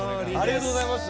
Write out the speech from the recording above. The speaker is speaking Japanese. ありがとうございます！